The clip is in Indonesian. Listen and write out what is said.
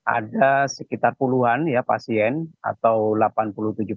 ada sekitar puluhan ya pasien atau delapan puluh tujuh orang